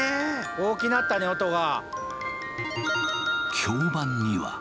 大きなったね音が。